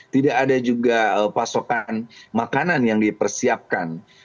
tidak ada juga pasokan makanan yang dipersiapkan